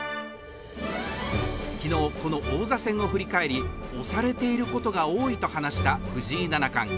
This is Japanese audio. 昨日、この王座戦を振り返り、押されていることが多いと話した藤井七冠。